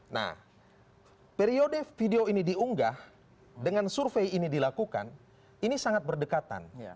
nah periode video ini diunggah dengan survei ini dilakukan ini sangat berdekatan